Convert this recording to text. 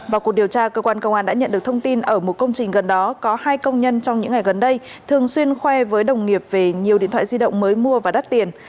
vào cuộc điều tra cơ quan công an đã nhận được thông tin ở một công trình gần đó có hai công nhân trong những ngày gần đây thường xuyên khoe với đồng nghiệp về nhiều điện thoại di động mới mua và đắt tiền